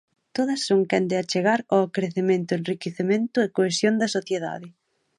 Todas son quen de achegar ao crecemento enriquecemento e cohesión da sociedade.